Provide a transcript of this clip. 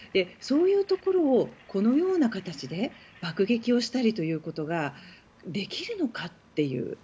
そういうところをこのような形で爆撃したりということができるのかという。